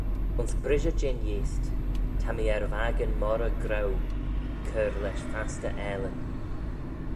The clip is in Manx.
Ayns brishey jeh'n eayst ta mee er vakin moghrey grouw cur lesh fastyr aalin